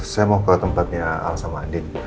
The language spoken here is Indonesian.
saya mau ke tempatnya al sama adit